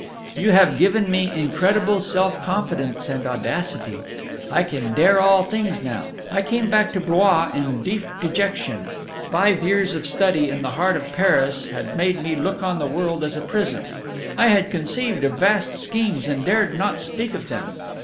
"You have given me incredible self confidence and audacity. I can dare all things now. I came back to Blois in deep dejection. Five years of study in the heart of Paris had made me look on the world as a prison. I had conceived of vast schemes, and dared not speak of them.